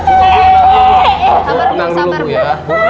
ibu tenang dulu bu ya